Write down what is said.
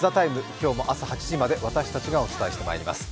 今日も朝８時まで私たちがお伝えしてまいります。